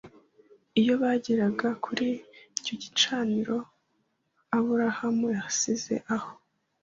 iyo bageraga kuri icyo gicaniro Aburahamu yasize aho